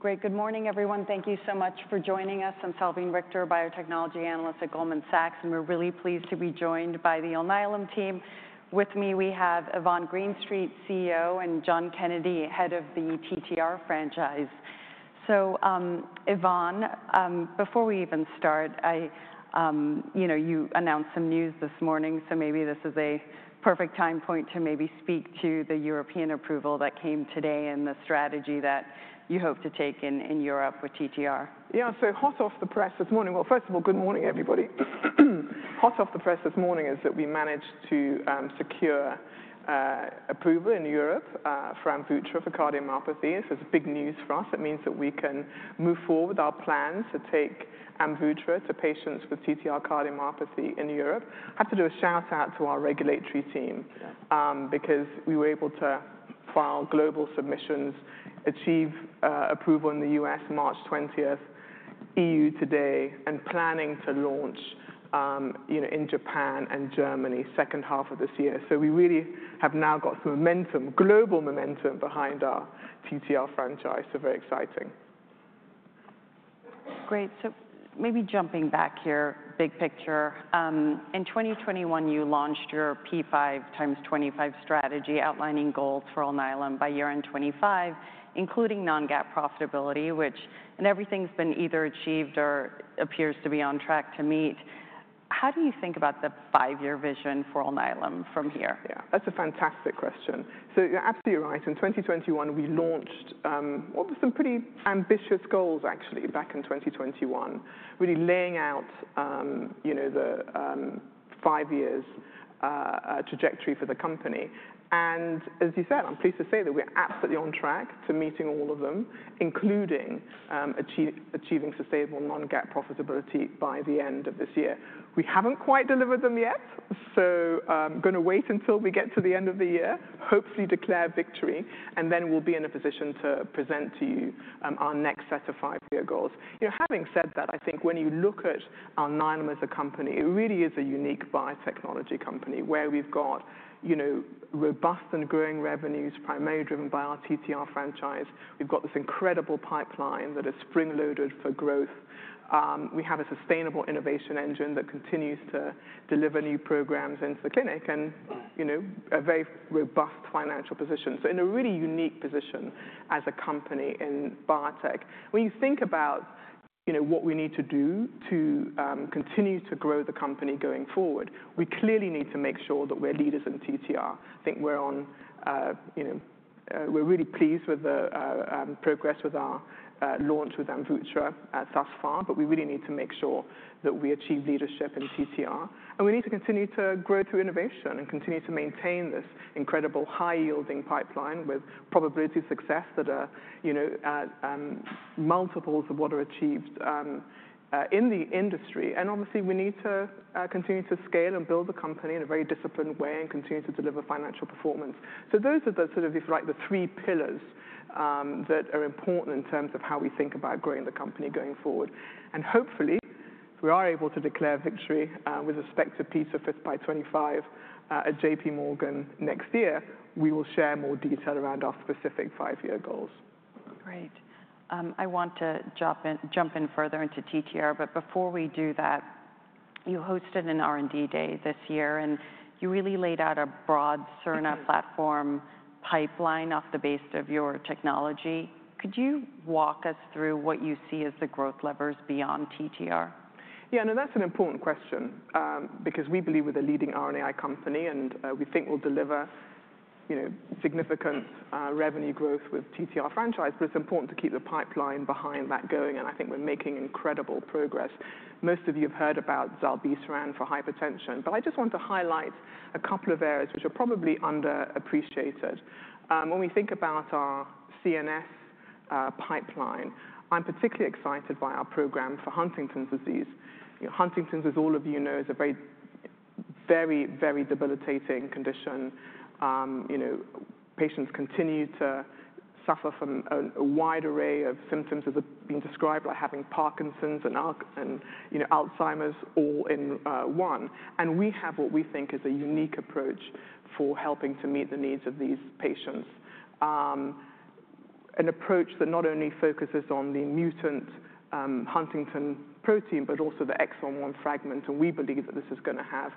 Great. Good morning, everyone. Thank you so much for joining us. I'm Salveen Richter, Biotechnology Analyst at Goldman Sachs, and we're really pleased to be joined by the Alnylam team. With me, we have Yvonne Greenstreet, CEO, and John Kennedy, head of the TTR Franchise. Yvonne, before we even start, you announced some news this morning, so maybe this is a perfect time point to maybe speak to the European approval that came today and the strategy that you hope to take in Europe with TTR. Yeah, so hot off the press this morning—first of all, good morning, everybody. Hot off the press this morning is that we managed to secure approval in Europe for Amvuttra for cardiomyopathy. This is big news for us. It means that we can move forward with our plan to take Amvuttra to patients with TTR cardiomyopathy in Europe. I have to do a shout-out to our regulatory team because we were able to file global submissions, achieve approval in the U.S. March 20th, EU today, and planning to launch in Japan and Germany second half of this year. We really have now got some momentum, global momentum behind our TTR Franchise. Very exciting. Great. Maybe jumping back here, big picture. In 2021, you launched your P5x25 strategy, outlining goals for Alnylam by year-end 2025, including non-GAAP profitability, which—and everything's been either achieved or appears to be on track to meet. How do you think about the five-year vision for Alnylam from here? Yeah, that's a fantastic question. You're absolutely right. In 2021, we launched what were some pretty ambitious goals, actually, back in 2021, really laying out the five-year trajectory for the company. As you said, I'm pleased to say that we're absolutely on track to meeting all of them, including achieving sustainable non-GAAP profitability by the end of this year. We haven't quite delivered them yet, so I'm going to wait until we get to the end of the year, hopefully declare victory, and then we'll be in a position to present to you our next set of five-year goals. Having said that, I think when you look at Alnylam as a company, it really is a unique biotechnology company where we've got robust and growing revenues primarily driven by our TTR franchise. We've got this incredible pipeline that is spring-loaded for growth. We have a sustainable innovation engine that continues to deliver new programs into the clinic and a very robust financial position. In a really unique position as a company in biotech. When you think about what we need to do to continue to grow the company going forward, we clearly need to make sure that we're leaders in TTR. I think we're really pleased with the progress with our launch with Amvuttra thus far, but we really need to make sure that we achieve leadership in TTR. We need to continue to grow through innovation and continue to maintain this incredible high-yielding pipeline with probability of success that are multiples of what are achieved in the industry. Obviously, we need to continue to scale and build the company in a very disciplined way and continue to deliver financial performance. Those are the sort of, if you like, the three pillars that are important in terms of how we think about growing the company going forward. Hopefully, if we are able to declare victory with respect to P5 by 2025 at J.P. Morgan next year, we will share more detail around our specific five-year goals. Great. I want to jump in further into TTR, but before we do that, you hosted an R&D day this year, and you really laid out a broad Cerner platform pipeline off the base of your technology. Could you walk us through what you see as the growth levers beyond TTR? Yeah, no, that's an important question because we believe we're the leading RNAi company, and we think we'll deliver significant revenue growth with TTR franchise, but it's important to keep the pipeline behind that going. I think we're making incredible progress. Most of you have heard about zilebesiran for hypertension, but I just want to highlight a couple of areas which are probably underappreciated. When we think about our CNS pipeline, I'm particularly excited by our program for Huntington's disease. Huntington's, as all of you know, is a very, very, very debilitating condition. Patients continue to suffer from a wide array of symptoms as have been described, like having Parkinson's and Alzheimer's, all in one. We have what we think is a unique approach for helping to meet the needs of these patients, an approach that not only focuses on the mutant Huntington protein, but also the exon 1 fragment. We believe that this is going to have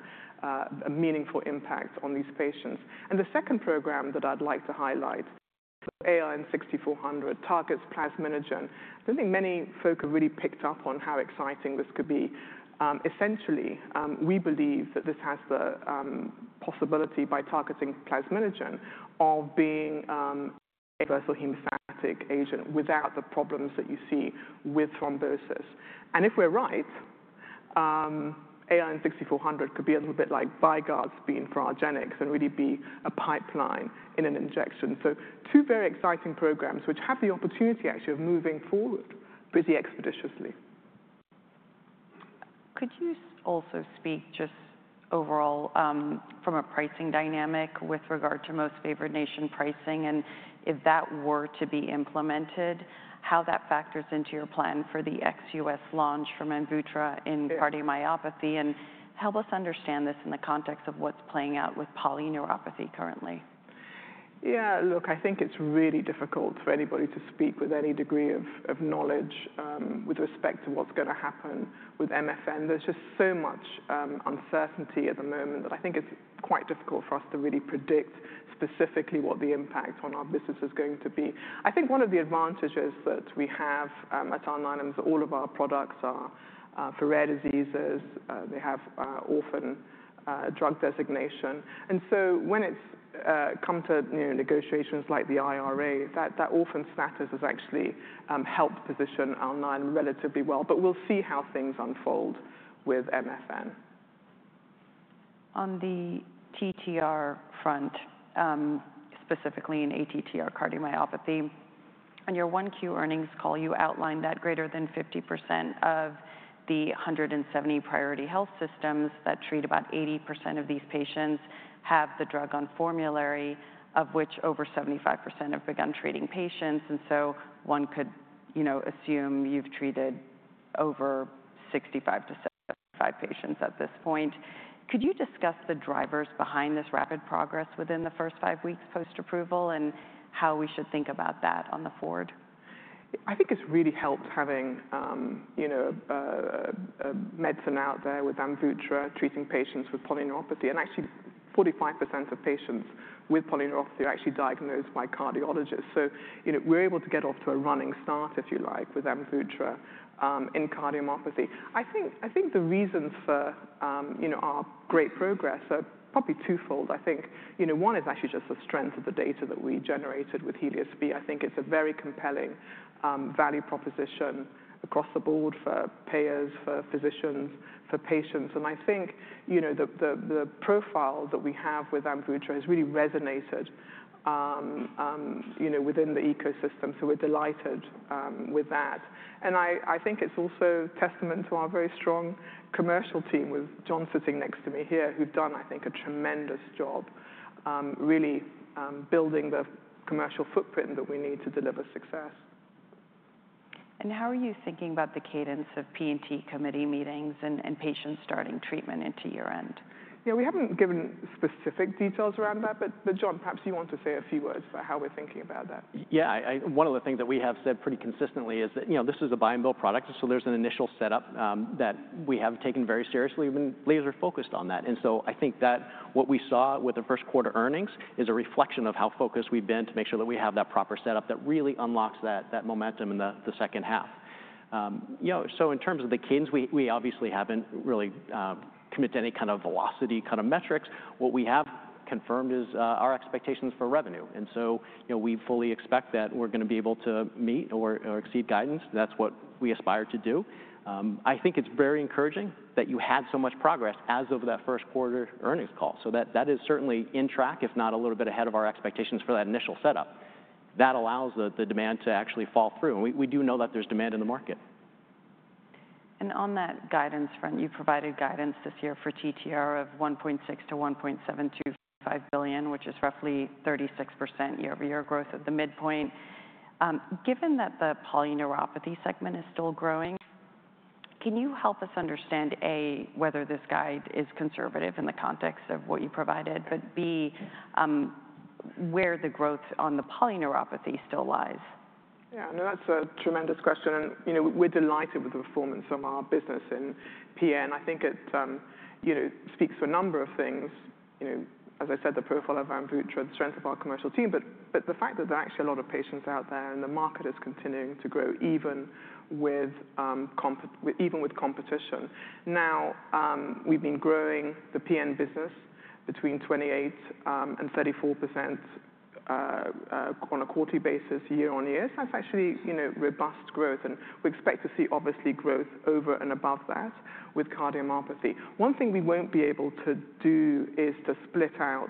a meaningful impact on these patients. The second program that I'd like to highlight for ALN-6400 targets plasminogen. I think many folk have really picked up on how exciting this could be. Essentially, we believe that this has the possibility, by targeting plasminogen, of being a universal hemostatic agent without the problems that you see with thrombosis. If we're right, ALN-6400 could be a little bit like Vyvgart has been for argenx and really be a pipeline in an injection. Two very exciting programs which have the opportunity, actually, of moving forward pretty expeditiously. Could you also speak just overall from a pricing dynamic with regard to most favored nation pricing and if that were to be implemented, how that factors into your plan for the ex-U.S. launch from Amvuttra in cardiomyopathy? Help us understand this in the context of what's playing out with polyneuropathy currently. Yeah, look, I think it's really difficult for anybody to speak with any degree of knowledge with respect to what's going to happen with MFN. There's just so much uncertainty at the moment that I think it's quite difficult for us to really predict specifically what the impact on our business is going to be. I think one of the advantages that we have at Alnylam is that all of our products are for rare diseases. They have orphan drug designation. And so when it's come to negotiations like the IRA, that orphan status has actually helped position Alnylam relatively well, but we'll see how things unfold with MFN. On the TTR front, specifically in ATTR cardiomyopathy, on your Q1 earnings call, you outlined that greater than 50% of the 170 priority health systems that treat about 80% of these patients have the drug on formulary, of which over 75% have begun treating patients. One could assume you've treated over 65-75 patients at this point. Could you discuss the drivers behind this rapid progress within the first five weeks post-approval and how we should think about that on the forward? I think it's really helped having a medicine out there with Amvuttra treating patients with polyneuropathy. Actually, 45% of patients with polyneuropathy are actually diagnosed by cardiologists. We are able to get off to a running start, if you like, with Amvuttra in cardiomyopathy. I think the reasons for our great progress are probably twofold. One is actually just the strength of the data that we generated with HELIOS-B. I think it's a very compelling value proposition across the board for payers, for physicians, for patients. I think the profile that we have with Amvuttra has really resonated within the ecosystem. We are delighted with that. I think it's also a testament to our very strong commercial team with John sitting next to me here, who've done, I think, a tremendous job really building the commercial footprint that we need to deliver success. How are you thinking about the cadence of P&T committee meetings and patients starting treatment into year-end? Yeah, we haven't given specific details around that, but John, perhaps you want to say a few words about how we're thinking about that. Yeah, one of the things that we have said pretty consistently is that this is a buy-and-bill product. There is an initial setup that we have taken very seriously. We have been laser-focused on that. I think that what we saw with the first quarter earnings is a reflection of how focused we have been to make sure that we have that proper setup that really unlocks that momentum in the second half. In terms of the cadence, we obviously have not really committed to any kind of velocity kind of metrics. What we have confirmed is our expectations for revenue. We fully expect that we are going to be able to meet or exceed guidance. That is what we aspire to do. I think it is very encouraging that you had so much progress as of that first quarter earnings call. That is certainly on track, if not a little bit ahead of our expectations for that initial setup. That allows the demand to actually fall through. We do know that there is demand in the market. On that guidance front, you provided guidance this year for TTR of $1.6 billion-$1.75 billion, which is roughly 36% year-over-year growth at the midpoint. Given that the polyneuropathy segment is still growing, can you help us understand, A, whether this guide is conservative in the context of what you provided, but B, where the growth on the polyneuropathy still lies? Yeah, no, that's a tremendous question. We're delighted with the performance from our business in PN. I think it speaks to a number of things. As I said, the profile of Amvuttra, the strength of our commercial team, but the fact that there are actually a lot of patients out there and the market is continuing to grow even with competition. Now, we've been growing the PN business between 28-34% on a quarterly basis year-on-year. That's actually robust growth. We expect to see, obviously, growth over and above that with cardiomyopathy. One thing we won't be able to do is to split out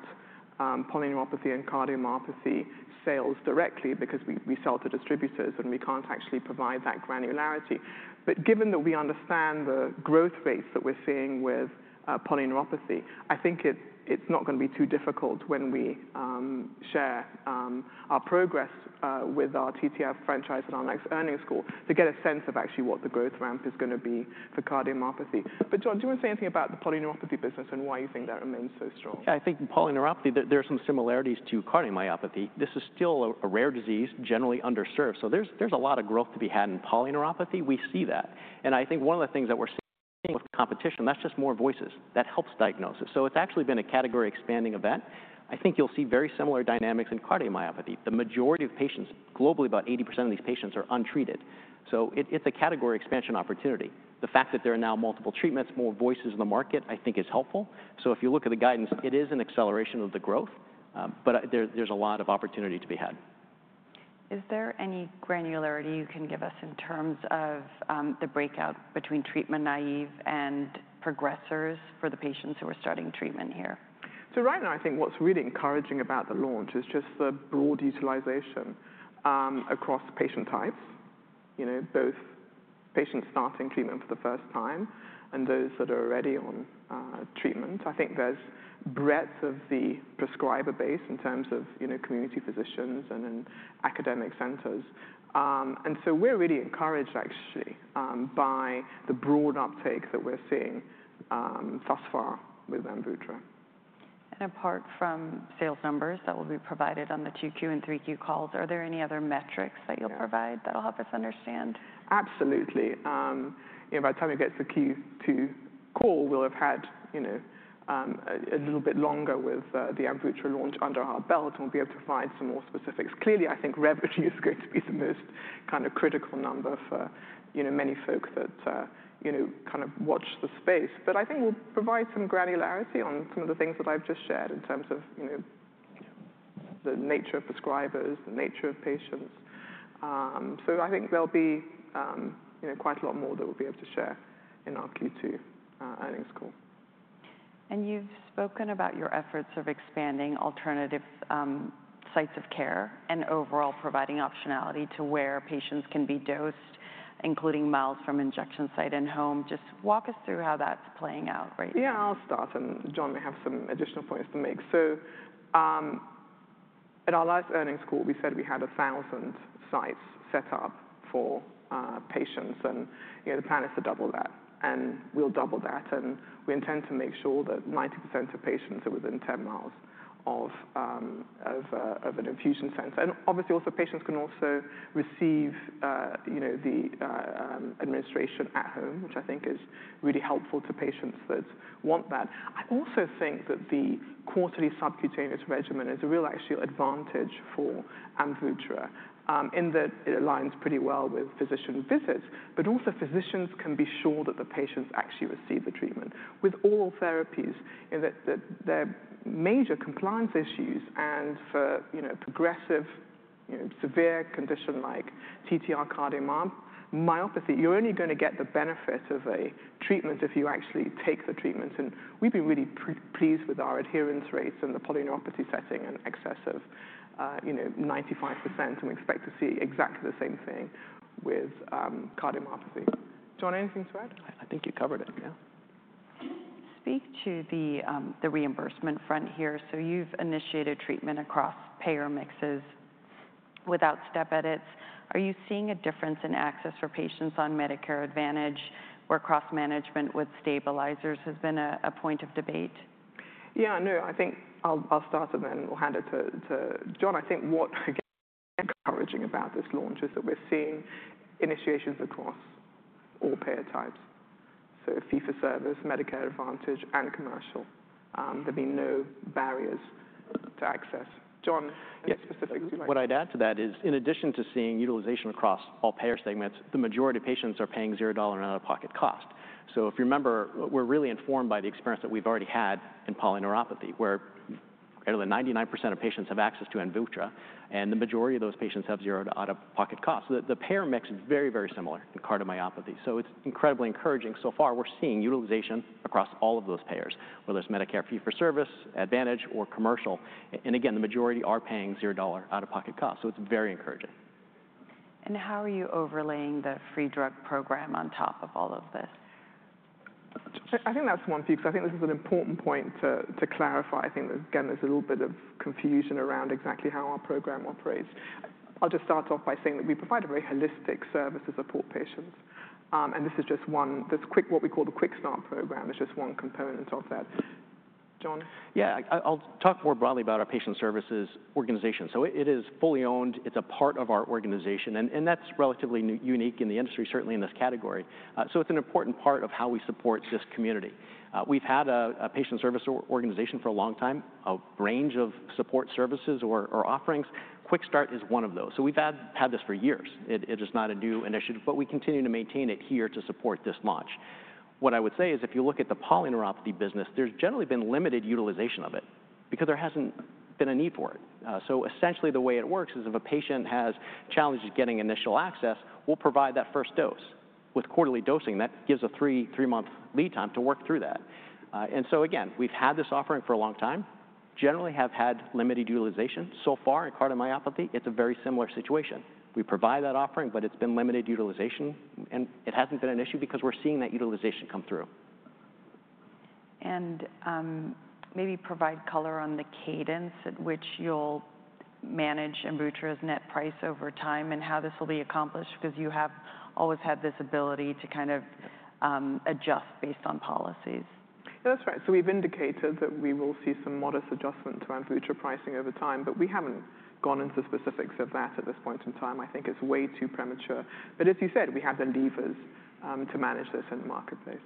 polyneuropathy and cardiomyopathy sales directly because we sell to distributors and we can't actually provide that granularity. Given that we understand the growth rates that we're seeing with polyneuropathy, I think it's not going to be too difficult when we share our progress with our TTR franchise and our next earnings call to get a sense of actually what the growth ramp is going to be for cardiomyopathy. John, do you want to say anything about the polyneuropathy business and why you think that remains so strong? Yeah, I think polyneuropathy, there are some similarities to cardiomyopathy. This is still a rare disease, generally underserved. There is a lot of growth to be had in polyneuropathy. We see that. I think one of the things that we are seeing with competition, that is just more voices that helps diagnosis. It has actually been a category-expanding event. I think you will see very similar dynamics in cardiomyopathy. The majority of patients, globally, about 80% of these patients are untreated. It is a category expansion opportunity. The fact that there are now multiple treatments, more voices in the market, I think is helpful. If you look at the guidance, it is an acceleration of the growth, but there is a lot of opportunity to be had. Is there any granularity you can give us in terms of the breakout between treatment naive and progressors for the patients who are starting treatment here? Right now, I think what's really encouraging about the launch is just the broad utilization across patient types, both patients starting treatment for the first time and those that are already on treatment. I think there's breadth of the prescriber base in terms of community physicians and academic centers. We are really encouraged, actually, by the broad uptake that we're seeing thus far with Amvuttra. Apart from sales numbers that will be provided on the 2Q and 3Q calls, are there any other metrics that you'll provide that'll help us understand? Absolutely. By the time it gets to the Q2 call, we'll have had a little bit longer with the Amvuttra launch under our belt and we'll be able to find some more specifics. Clearly, I think revenue is going to be the most kind of critical number for many folks that kind of watch the space. I think we'll provide some granularity on some of the things that I've just shared in terms of the nature of prescribers, the nature of patients. I think there'll be quite a lot more that we'll be able to share in our Q2 earnings call. You have spoken about your efforts of expanding alternative sites of care and overall providing optionality to where patients can be dosed, including miles from injection site and home. Just walk us through how that is playing out right now. Yeah, I'll start, and John may have some additional points to make. At our last earnings call, we said we had 1,000 sites set up for patients, and the plan is to double that. We'll double that. We intend to make sure that 90% of patients are within 10 mi of an infusion center. Obviously, patients can also receive the administration at home, which I think is really helpful to patients that want that. I also think that the quarterly subcutaneous regimen is a real actual advantage for Amvuttra in that it aligns pretty well with physician visits, but also physicians can be sure that the patients actually receive the treatment. With oral therapies, there are major compliance issues. For a progressive, severe condition like TTR cardiomyopathy, you're only going to get the benefit of a treatment if you actually take the treatment. We have been really pleased with our adherence rates in the polyneuropathy setting in excess of 95%. We expect to see exactly the same thing with cardiomyopathy. John, anything to add? I think you covered it. Yeah. Speak to the reimbursement front here. You've initiated treatment across payer mixes without step edits. Are you seeing a difference in access for patients on Medicare Advantage where cross-management with stabilizers has been a point of debate? Yeah, no, I think I'll start and then we'll hand it to John. I think what again is encouraging about this launch is that we're seeing initiations across all payer types. So fee-for-service, Medicare Advantage, and commercial. There'll be no barriers to access. John, any specifics you'd like? What I'd add to that is in addition to seeing utilization across all payer segments, the majority of patients are paying $0 in out-of-pocket cost. If you remember, we're really informed by the experience that we've already had in polyneuropathy where greater than 99% of patients have access to Amvuttra and the majority of those patients have zero out-of-pocket costs. The payer mix is very, very similar in cardiomyopathy. It's incredibly encouraging. Far, we're seeing utilization across all of those payers, whether it's Medicare fee-for-service, Advantage, or commercial. Again, the majority are paying $0 out-of-pocket costs. It's very encouraging. How are you overlaying the free drug program on top of all of this? I think that's one piece. I think this is an important point to clarify. I think, again, there's a little bit of confusion around exactly how our program operates. I'll just start off by saying that we provide a very holistic service to support patients. This is just one, what we call the Quick Start program. It's just one component of that. John? Yeah, I'll talk more broadly about our patient services organization. It is fully owned. It's a part of our organization. That's relatively unique in the industry, certainly in this category. It's an important part of how we support this community. We've had a patient service organization for a long time, a range of support services or offerings. Quick Start is one of those. We've had this for years. It is not a new initiative, but we continue to maintain it here to support this launch. What I would say is if you look at the polyneuropathy business, there's generally been limited utilization of it because there hasn't been a need for it. Essentially, the way it works is if a patient has challenges getting initial access, we'll provide that first dose with quarterly dosing. That gives a three-month lead time to work through that. We have had this offering for a long time. Generally, have had limited utilization. In cardiomyopathy, it is a very similar situation. We provide that offering, but it has been limited utilization. It has not been an issue because we are seeing that utilization come through. Maybe provide color on the cadence at which you'll manage Amvuttra's net price over time and how this will be accomplished because you have always had this ability to kind of adjust based on policies. Yeah, that's right. So we've indicated that we will see some modest adjustments to Amvuttra pricing over time, but we haven't gone into the specifics of that at this point in time. I think it's way too premature. As you said, we have the levers to manage this in the marketplace.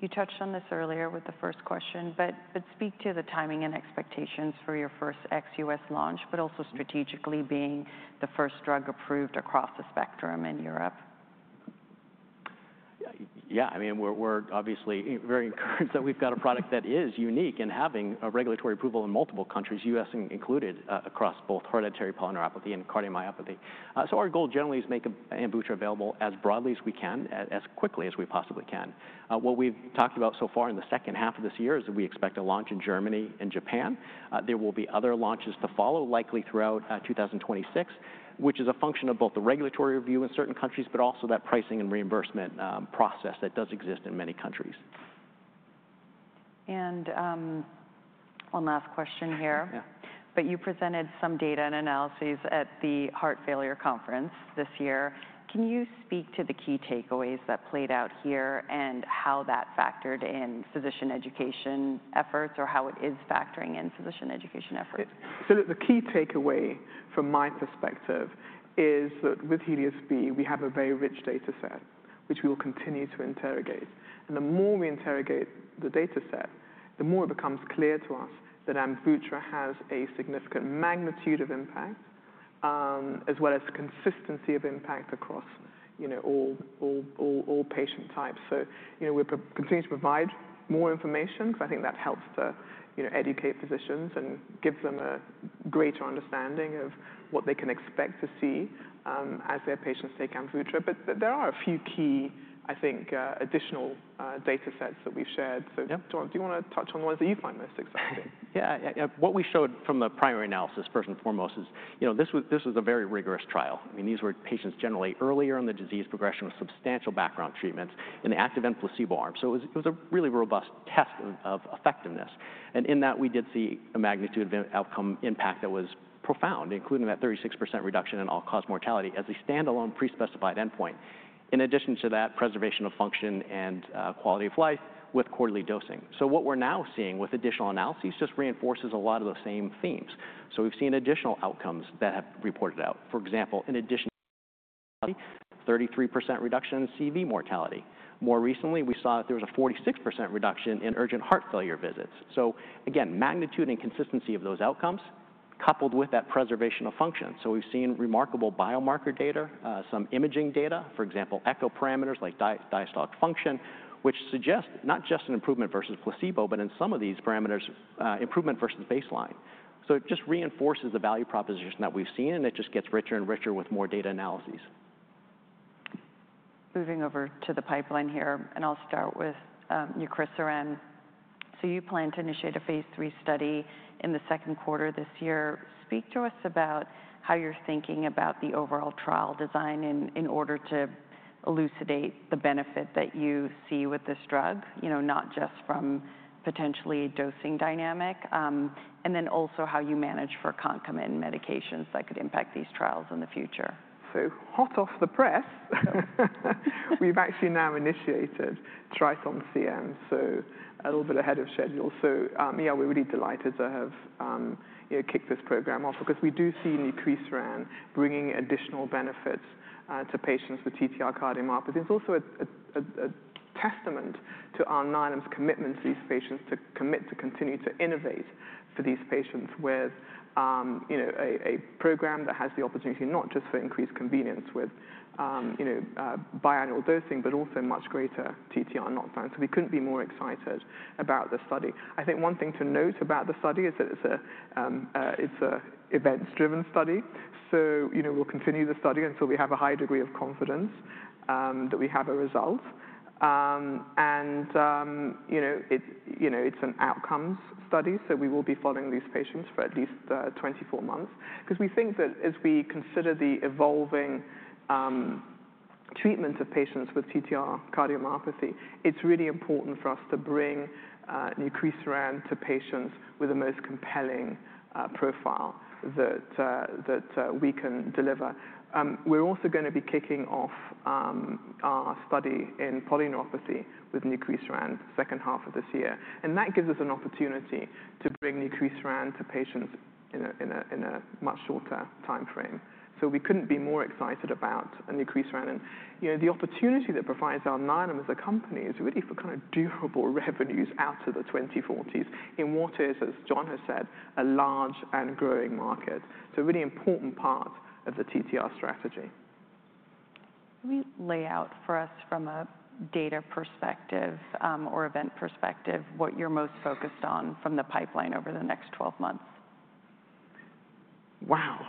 You touched on this earlier with the first question, but speak to the timing and expectations for your first ex-U.S. launch, but also strategically being the first drug approved across the spectrum in Europe. Yeah, I mean, we're obviously very encouraged that we've got a product that is unique in having a regulatory approval in multiple countries, US included across both hereditary polyneuropathy and cardiomyopathy. Our goal generally is to make Amvuttra available as broadly as we can, as quickly as we possibly can. What we've talked about so far in the second half of this year is that we expect a launch in Germany and Japan. There will be other launches to follow, likely throughout 2026, which is a function of both the regulatory review in certain countries, but also that pricing and reimbursement process that does exist in many countries. One last question here. You presented some data and analyses at the Heart Failure Conference this year. Can you speak to the key takeaways that played out here and how that factored in physician education efforts or how it is factoring in physician education efforts? The key takeaway from my perspective is that with HELIOS-B, we have a very rich data set, which we will continue to interrogate. The more we interrogate the data set, the more it becomes clear to us that Amvuttra has a significant magnitude of impact as well as consistency of impact across all patient types. We are continuing to provide more information because I think that helps to educate physicians and gives them a greater understanding of what they can expect to see as their patients take Amvuttra. There are a few key, I think, additional data sets that we have shared. John, do you want to touch on the ones that you find most exciting? Yeah, yeah, yeah. What we showed from the primary analysis, first and foremost, is this was a very rigorous trial. I mean, these were patients generally earlier in the disease progression with substantial background treatments in the active and placebo arm. It was a really robust test of effectiveness. In that, we did see a magnitude of outcome impact that was profound, including that 36% reduction in all-cause mortality as a standalone pre-specified endpoint, in addition to that preservation of function and quality of life with quarterly dosing. What we're now seeing with additional analyses just reinforces a lot of the same themes. We've seen additional outcomes that have reported out. For example, in addition, 33% reduction in CV mortality. More recently, we saw that there was a 46% reduction in urgent heart failure visits. Again, magnitude and consistency of those outcomes coupled with that preservation of function. We have seen remarkable biomarker data, some imaging data, for example, echo parameters like diastolic function, which suggest not just an improvement versus placebo, but in some of these parameters, improvement versus baseline. It just reinforces the value proposition that we have seen, and it just gets richer and richer with more data analyses. Moving over to the pipeline here, and I'll start with you, Chris Oren. You plan to initiate a phase three study in the second quarter this year. Speak to us about how you're thinking about the overall trial design in order to elucidate the benefit that you see with this drug, not just from potentially a dosing dynamic, and then also how you manage for concomitant medications that could impact these trials in the future. Hot off the press, we've actually now initiated Triton CM, so a little bit ahead of schedule. Yeah, we're really delighted to have kicked this program off because we do see in the QuickScan bringing additional benefits to patients with TTR cardiomyopathy. It's also a testament to Alnylam's commitment to these patients to commit to continue to innovate for these patients with a program that has the opportunity not just for increased convenience with biannual dosing, but also much greater TTR knockdown. We couldn't be more excited about the study. I think one thing to note about the study is that it's an event-driven study. We'll continue the study until we have a high degree of confidence that we have a result. It's an outcomes study. We will be following these patients for at least 24 months because we think that as we consider the evolving treatment of patients with TTR cardiomyopathy, it's really important for us to bring Nucleus Rand to patients with the most compelling profile that we can deliver. We're also going to be kicking off our study in polyneuropathy with Nucleus Rand second half of this year. That gives us an opportunity to bring Nucleus Rand to patients in a much shorter time frame. We couldn't be more excited about Nucleus Rand. The opportunity that provides Alnylam as a company is really for kind of durable revenues out to the 2040s in what is, as John has said, a large and growing market. It's a really important part of the TTR strategy. Can you lay out for us from a data perspective or event perspective what you're most focused on from the pipeline over the next 12 months? Wow.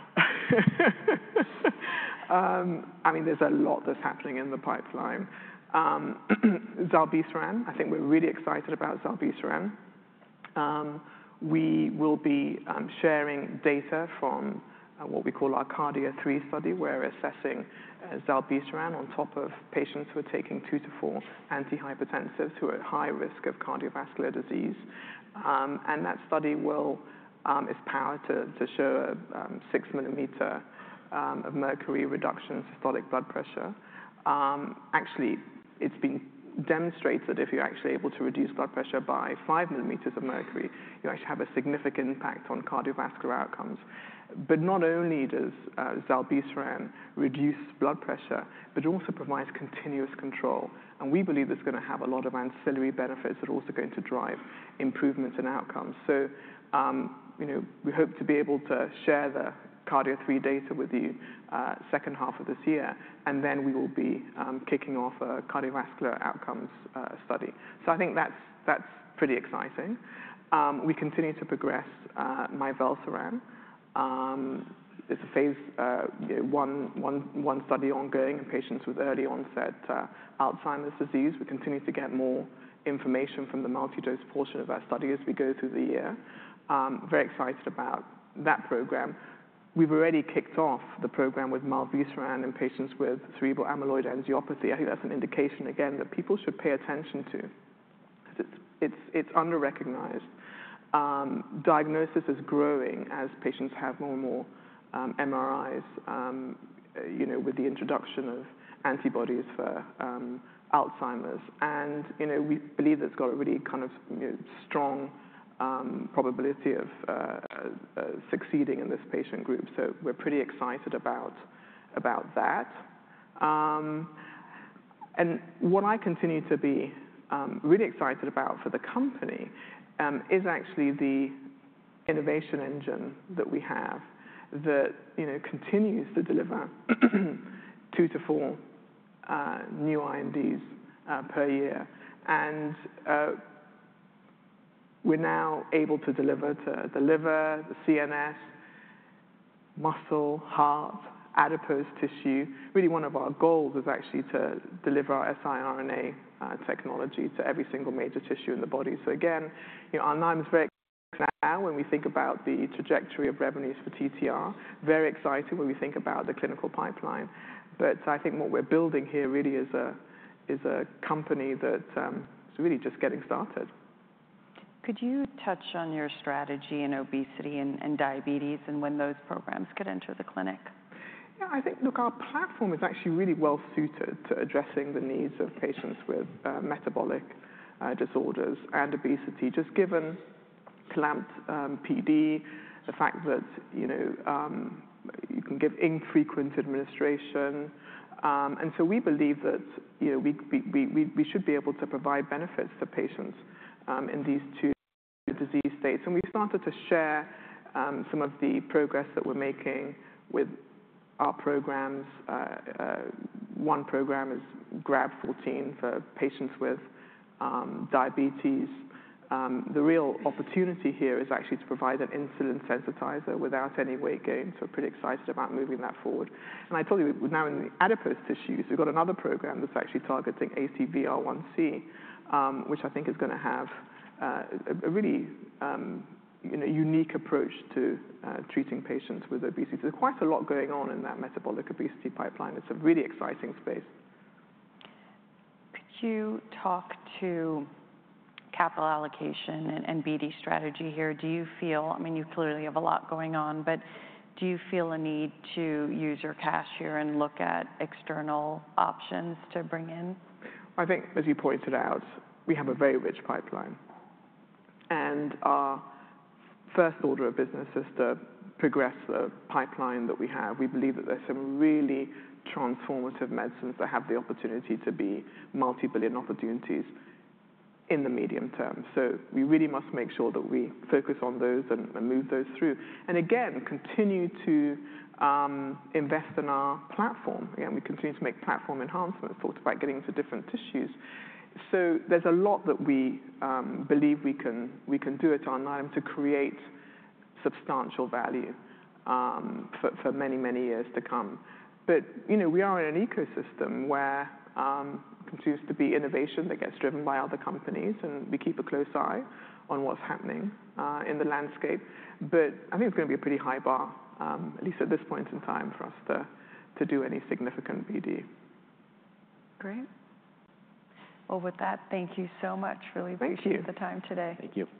I mean, there's a lot that's happening in the pipeline. Zilebesiran, I think we're really excited about Zilebesiran. We will be sharing data from what we call our Cardia 3 study where we're assessing Zilebesiran on top of patients who are taking two to four antihypertensives who are at high risk of cardiovascular disease. That study is powered to show a 6 mm of mercury reduction in systolic blood pressure. Actually, it's been demonstrated that if you're actually able to reduce blood pressure by 5 mm of mercury, you actually have a significant impact on cardiovascular outcomes. Not only does Zilebesiran reduce blood pressure, it also provides continuous control. We believe it's going to have a lot of ancillary benefits that are also going to drive improvements in outcomes. We hope to be able to share the Cardia 3 data with you second half of this year. Then we will be kicking off a cardiovascular outcomes study. I think that's pretty exciting. We continue to progress mivelsiran. It's a phase one study ongoing in patients with early onset Alzheimer's disease. We continue to get more information from the multi-dose portion of our study as we go through the year. Very excited about that program. We've already kicked off the program with mivelsiran in patients with cerebral amyloid angiopathy. I think that's an indication again that people should pay attention to because it's under-recognized. Diagnosis is growing as patients have more and more MRIs with the introduction of antibodies for Alzheimer's. We believe that it's got a really kind of strong probability of succeeding in this patient group. We're pretty excited about that. What I continue to be really excited about for the company is actually the innovation engine that we have that continues to deliver two to four new IMDs per year. We're now able to deliver to the liver, the CNS, muscle, heart, adipose tissue. Really, one of our goals is actually to deliver our siRNA technology to every single major tissue in the body. Again, Alnylam is very excited now when we think about the trajectory of revenues for TTR. Very excited when we think about the clinical pipeline. I think what we're building here really is a company that is really just getting started. Could you touch on your strategy in obesity and diabetes and when those programs could enter the clinic? Yeah, I think, look, our platform is actually really well-suited to addressing the needs of patients with metabolic disorders and obesity, just given clamped PD, the fact that you can give infrequent administration. We believe that we should be able to provide benefits to patients in these two disease states. We've started to share some of the progress that we're making with our programs. One program is Grab14 for patients with diabetes. The real opportunity here is actually to provide an insulin sensitizer without any weight gain. We're pretty excited about moving that forward. I told you now in the adipose tissues, we've got another program that's actually targeting ACVR1C, which I think is going to have a really unique approach to treating patients with obesity. There's quite a lot going on in that metabolic obesity pipeline. It's a really exciting space. Could you talk to capital allocation and BD strategy here? Do you feel, I mean, you clearly have a lot going on, but do you feel a need to use your cash here and look at external options to bring in? I think, as you pointed out, we have a very rich pipeline. Our first order of business is to progress the pipeline that we have. We believe that there are some really transformative medicines that have the opportunity to be multi-billion opportunities in the medium term. We really must make sure that we focus on those and move those through. Again, we continue to invest in our platform. We continue to make platform enhancements, talked about getting into different tissues. There is a lot that we believe we can do at Alnylam to create substantial value for many, many years to come. We are in an ecosystem where it continues to be innovation that gets driven by other companies, and we keep a close eye on what's happening in the landscape. I think it's going to be a pretty high bar, at least at this point in time, for us to do any significant BD. Great. With that, thank you so much. Really appreciate the time today. Thank you.